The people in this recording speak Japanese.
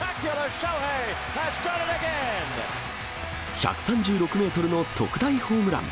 １３６メートルの特大ホームラン。